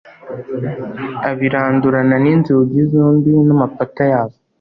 abirandurana n'inzugi zombi n'amapata yazo